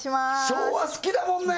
昭和好きだもんね